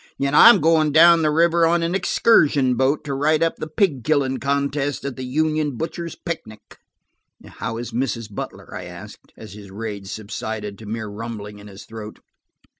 I'm going down the river on an excursion boat, and write up the pig killing contest at the union butchers' picnic." "How is Mrs. Butler?" I asked, as his rage subsided to mere rumbling in his throat.